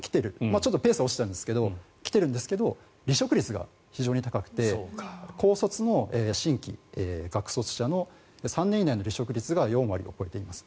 ちょっとペースは落ちてるんですが来ているんですが離職率が非常に高くて高卒の新規学卒者の３年以内の離職率が４割を超えています。